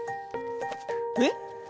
えっ！？